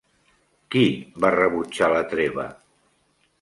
Qui va rebutjar la treva?